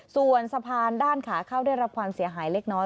ส่วนสะพานด้านขาเข้าได้รับความเสียหายเล็กน้อย